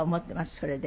それで。